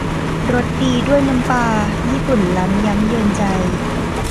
รสดีด้วยน้ำปลา ญี่ปุ่นล้ำย้ำยวนใจ